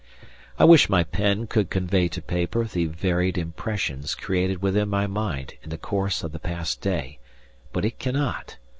I wish my pen could convey to paper the varied impressions created within my mind in the course of the past day; but it cannot.